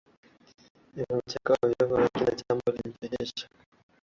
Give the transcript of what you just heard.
Nilicheka ovyoovyo Kila jambo lilinichekesha